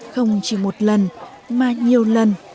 không chỉ một lần mà nhiều lần